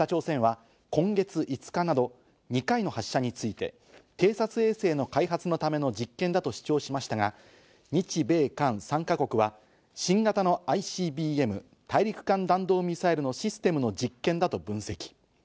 北朝鮮は今月５日などに２回の発射について偵察衛星の開発のための実験だと主張しましたが、日米韓３か国は新型のＩＣＢＭ＝大陸間弾道ミサイルのシステムの実験だと分析。